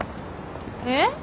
えっ？